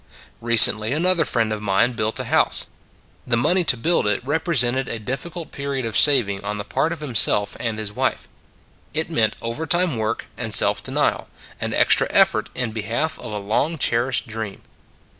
Recently another friend of mine built a house. The money to build it repre sented a difficult period of saving on the part of himself and his wife; it meant ov ertime work and self denial, and extra ef 95 96 It s a Good Old World fort in behalf of a long cherished dream.